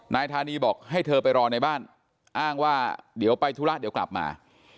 นายธานีบอกให้เธอไปรอในบ้านอ้างว่าเดี๋ยวไปธุระเดี๋ยวกลับมา